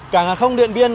cả ngã không điện biên